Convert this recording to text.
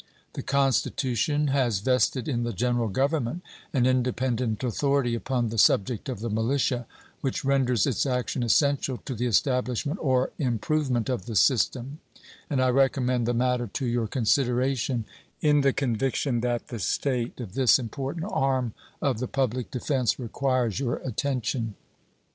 The Constitution has vested in the General Government an independent authority upon the subject of the militia which renders its action essential to the establishment or improvement of the system, and I recommend the matter to your consideration in the conviction that the state of this important arm of the public defense requires your attention.